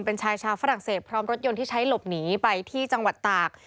เป็นชายชาวฝรั่งเศสพร้อมรถยนต์ที่ใช้หลบหนีไปที่จังหวัดตาก